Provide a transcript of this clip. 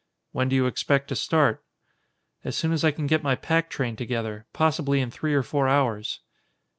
"When do you expect to start?" "As soon as I can get my pack train together. Possibly in three or four hours."